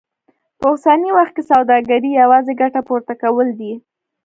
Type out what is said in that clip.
په اوسني وخت کې سوداګري يوازې ګټه پورته کول دي.